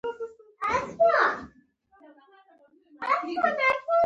ابټمنټ د استنادي دیوال په شان محاسبه کیږي